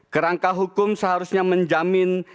kerangka hukum seharusnya menjamin